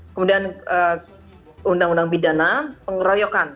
kemudian undang undang bidana pengeroyokan